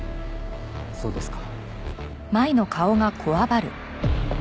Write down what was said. そうですか。